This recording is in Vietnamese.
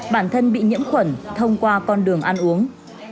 bản thân bị nhiễm khuẩn thông qua con đường ăn uống